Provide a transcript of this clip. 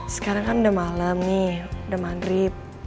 sekarang kan udah malam nih udah maghrib